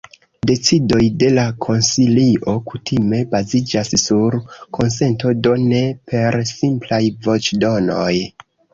Decidoj de la konsilio kutime baziĝas sur konsento, do ne per simplaj voĉdonoj.